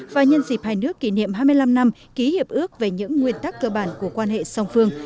và nhân dịp hai nước kỷ niệm hai mươi năm năm ký hiệp ước về những nguyên tắc cơ bản của quan hệ song phương